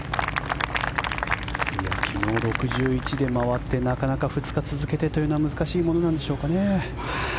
昨日、６１で回ってなかなか２日続けてというのは難しいものなんでしょうかね。